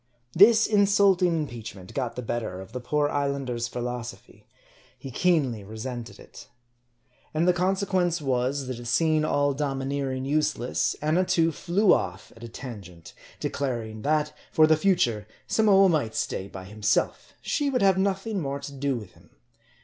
This insulting impeachment got the better of the poor islander's philosophy. He keenly resented it. And the conse quence was, that seeing all domineering useless, Annatoo flew off at a tangent ; declaring that, for the future, Samoa might stay by himself; she would have nothing more to do with him.